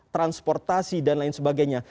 transportasi dan lain sebagainya